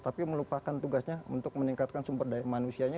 tapi melupakan tugasnya untuk meningkatkan sumber daya manusianya